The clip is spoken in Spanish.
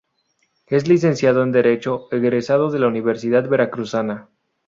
Es Licenciado en Derecho egresado de la Universidad Veracruzana.